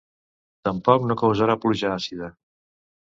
Tampoc no causarà pluja àcida.